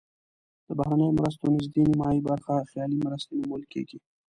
د بهرنیو مرستو نزدې نیمایي برخه خیالي مرستې نومول کیږي.